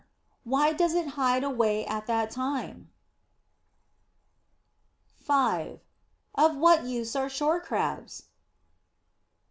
Why does it hide away at that time? 5. Of what use are Shore Crabs?